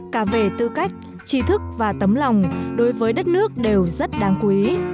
cả về tư cách trí thức và tấm lòng đối với đất nước đều rất đáng quý